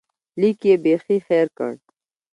لیک یې بیخي هېر کړ.